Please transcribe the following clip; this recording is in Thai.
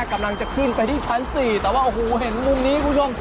กำลังจะขึ้นไปที่ชั้น๔แต่ว่าโอ้โหเห็นมุมนี้คุณผู้ชม